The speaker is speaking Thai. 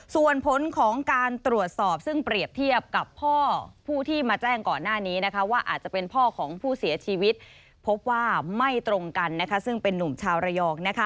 ส่วนผลของการตรวจสอบซึ่งเปรียบเทียบกับพ่อผู้ที่มาแจ้งก่อนหน้านี้ว่าอาจจะเป็นพ่อของผู้เสียชีวิตพบว่าไม่ตรงกันซึ่งเป็นนุ่มชาวระยอง